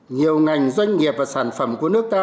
nhiều ngành doanh nghiệp và sản phẩm của nước ta